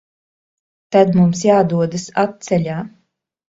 Tad mums jādodas atceļā.